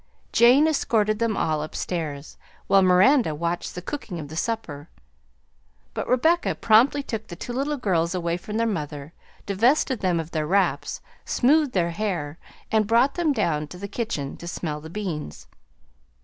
Jane escorted them all upstairs, while Miranda watched the cooking of the supper; but Rebecca promptly took the two little girls away from their mother, divested them of their wraps, smoothed their hair, and brought them down to the kitchen to smell the beans.